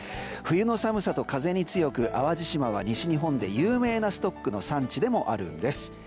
冬の寒さと風に強く淡路島は西日本で有名なストックの産地でもあります。